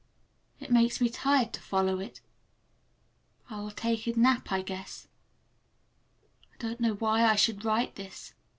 It makes me tired to follow it. I will take a nap, I guess. I don't know why I should write this.